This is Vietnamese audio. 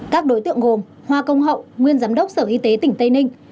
các đối tượng gồm hoa công hậu nguyên giám đốc sở y tế tỉnh tây ninh